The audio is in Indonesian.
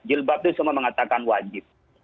jilbab itu semua mengatakan wajib